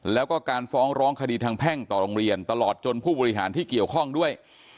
แล้วก็การฟ้องร้องคดีทางแพ่งต่อโรงเรียนตลอดจนผู้บริหารที่เกี่ยวข้องด้วย